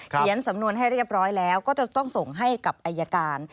สำนวนให้เรียบร้อยแล้วก็จะต้องส่งให้กับอายการ